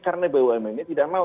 karena bumn tidak mau